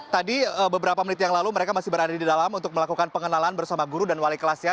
tadi beberapa menit yang lalu mereka masih berada di dalam untuk melakukan pengenalan bersama guru dan wali kelasnya